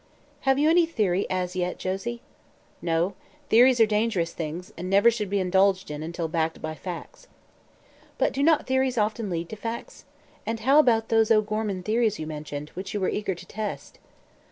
"Have you any theory, as yet, Josie?" "No. Theories are dangerous things and never should be indulged in until backed by facts." "But do not theories often lead to facts? And how about those 'O'Gorman theories' you mentioned, which you were eager to test?"